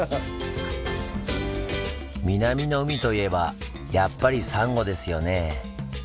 南の海といえばやっぱりサンゴですよねぇ。